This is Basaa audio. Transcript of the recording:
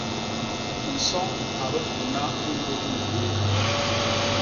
Nsoñ a bipuna i mbus nyemb yéé.